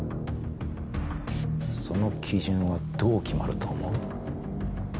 その基準はどう決まると思う？